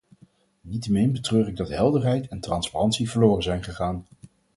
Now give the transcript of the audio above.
Niettemin betreur ik dat helderheid en transparantie verloren zijn gegaan.